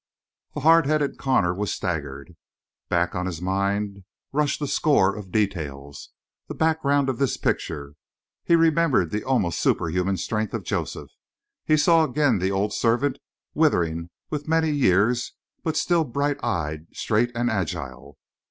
The hard headed Connor was staggered. Back on his mind rushed a score of details, the background of this picture. He remembered the almost superhuman strength of Joseph; he saw again the old servants withering with many years, but still bright eyed, straight and agile.